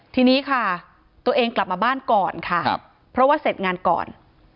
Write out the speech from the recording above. ทีนี้ค่ะตัวเองกลับมาบ้านก่อนค่ะเพราะว่าเสร็จงานก่อน